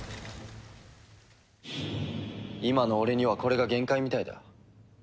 今の俺にはこれが限界みたいだ。